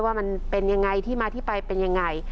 ว่ามันเป็นอย่างไรที่มาที่ไปเป็นอย่างไร